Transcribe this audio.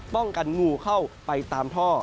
ป้องกันงูเข้าไปตามท่อ